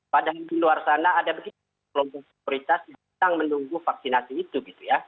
padahal di luar sana ada begitu kelompok mayoritas yang menunggu vaksinasi itu